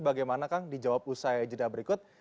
bagaimana kang dijawab usai jeda berikut